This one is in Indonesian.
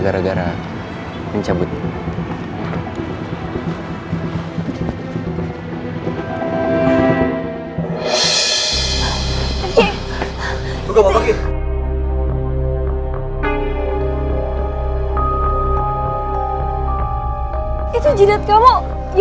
ya ada yang mau ngomong